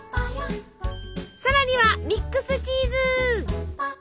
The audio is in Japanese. さらにはミックスチーズ。